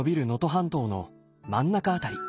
半島の真ん中辺り。